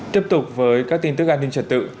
tiếp tục với các tin tức an ninh trật tự